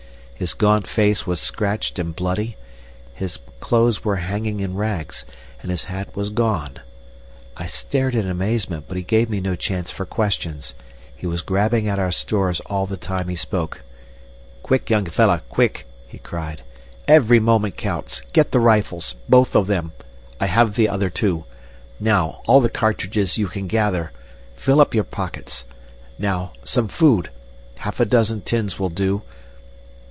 His gaunt face was scratched and bloody, his clothes were hanging in rags, and his hat was gone. I stared in amazement, but he gave me no chance for questions. He was grabbing at our stores all the time he spoke. "Quick, young fellah! Quick!" he cried. "Every moment counts. Get the rifles, both of them. I have the other two. Now, all the cartridges you can gather. Fill up your pockets. Now, some food. Half a dozen tins will do.